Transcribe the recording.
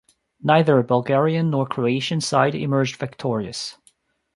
Neither Bulgarian nor Croatian side emerged victorious.